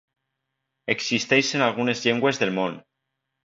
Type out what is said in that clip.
Existeix en algunes llengües del món.